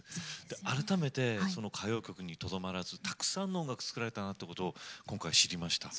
改めて歌謡曲にとどまらずたくさんの音楽を作られたんだということ今回知りました。